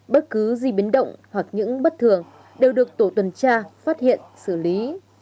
bất cứ gì biến động hoặc những bất thường đều được tổ tuần tra phát hiện xử lý